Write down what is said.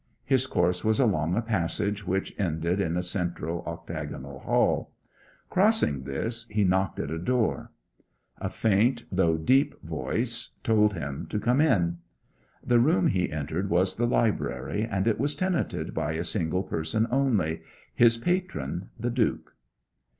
His course was along a passage which ended in a central octagonal hall; crossing this he knocked at a door. A faint, though deep, voice told him to come in. The room he entered was the library, and it was tenanted by a single person only his patron the Duke.